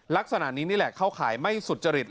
ลักษณะนี้นี่แหละเข้าข่ายไม่สุจริต